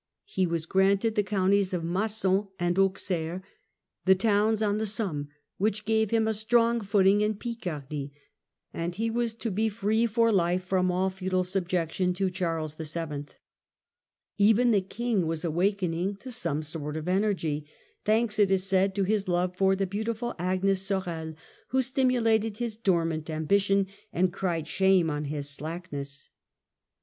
He was granted the counties of Ma9on and Auxerre, the towns on the Somme which gave him a strong footing in Picardy, and he was to be free for life from all feudal subjection to Charles VII. Even the King was awaking to some sort of energy, thanks, it is said, to his love for the beautiful Agnes Sorel, who stimulated his dormant ambition and cried shame on his slackness.